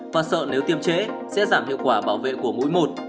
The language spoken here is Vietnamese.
và sợ nếu tiêm chế sẽ giảm hiệu quả bảo vệ của mũi một